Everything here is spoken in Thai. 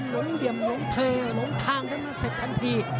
ลงทางแล้วน่าเสร็จทันที